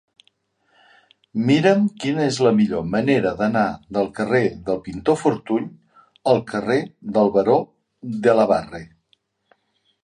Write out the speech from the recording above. Mira'm quina és la millor manera d'anar del carrer del Pintor Fortuny al carrer del Baró de la Barre.